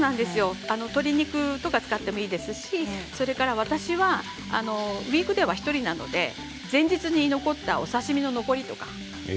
鶏肉を使ってもいいですしそれから、私はウイークデーは１人なので前日に残ったお刺身の残りとか。